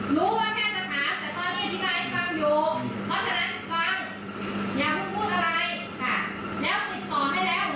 เงียบนั่งฟัง